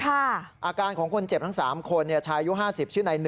อาการของคนเจ็บทั้ง๓คนชายอายุ๕๐ชื่อใน๑